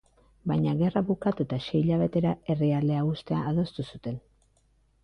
Baina, gerra bukatu eta sei hilabetera, herrialdea uztea adostu zuten.